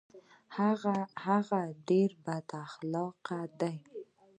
هغه ډیر بد اخلاقه ده